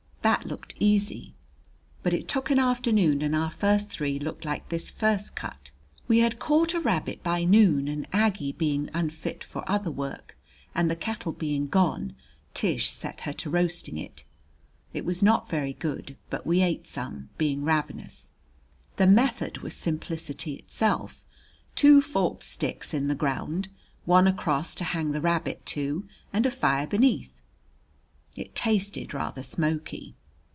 That looked easy, but it took an afternoon, and our first three looked like this first cut. [Illustration: AS THE FIRST THREE LOOKED AS THEY SHOULD HAVE LOOKED] We had caught a rabbit by noon, and Aggie being unfit for other work, and the kettle being gone, Tish set her to roasting it. It was not very good, but we ate some, being ravenous. The method was simplicity itself two forked sticks in the ground, one across to hang the rabbit to and a fire beneath. It tasted rather smoky.